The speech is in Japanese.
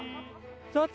ちょっと。